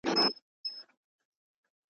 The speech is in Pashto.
یو زلمی به په ویده قام کي پیدا سي.